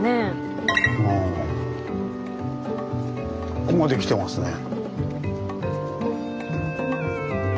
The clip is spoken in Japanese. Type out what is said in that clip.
ここまできてますね。